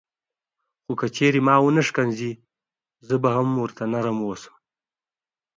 خو که چیرې ما ونه ښکنځي زه به هم ورته نرم اوسم.